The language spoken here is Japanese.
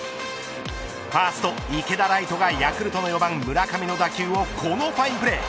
ファースト、池田来翔がヤクルトの４番、村上の打球をこのファインプレー。